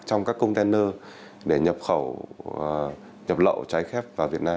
trong các container để nhập khẩu nhập lậu trái phép vào việt nam